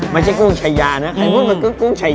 ไม่ใช่กุ้งชายานะใครบอกว่ากุ้งชายา